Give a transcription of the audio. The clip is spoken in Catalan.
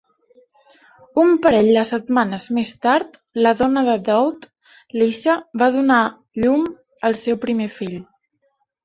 Un parell de setmanes més tard, la dona de Dowd, Lisa, va donar llum al seu primer fill.